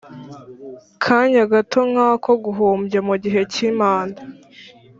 Kanya gato nk ako guhumbya mu gihe cy impanda